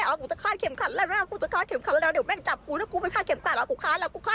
เหตุผลที่เป็นทรงขาสามส่วนขาเต๋อแบบนี้เพราะอะไร